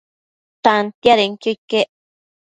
Tantiadenquio iquec